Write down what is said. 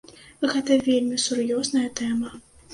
Гэта вельмі сур'ёзная тэма.